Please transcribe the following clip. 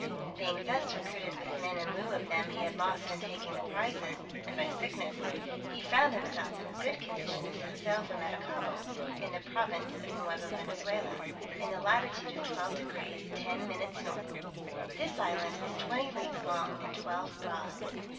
Being thus recruited with men in lieu of them he had lost in taking the prizes, and by sickness, he found himself in a good condition to set sail for Maracaibo, in the province of Neuva Venezuela, in the latitude of 12 deg. 10 min. north. This island is twenty leagues long, and twelve broad.